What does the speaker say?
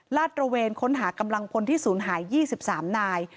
ตระเวนค้นหากำลังพลที่ศูนย์หาย๒๓นาย